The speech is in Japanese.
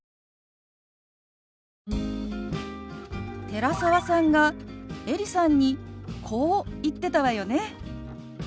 寺澤さんがエリさんにこう言ってたわよね。